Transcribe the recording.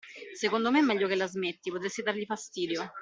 Secondo me è meglio che la smetti, potresti dargli fastidio.